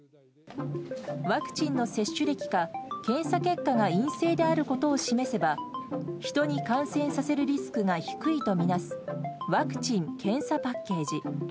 ワクチンの接種歴か、検査結果が陰性であることを示せば、人に感染させるリスクが低いと見なす、ワクチン・検査パッケージ。